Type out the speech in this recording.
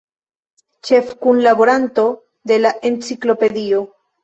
Ĉefkunlaboranto de la Enciklopedio.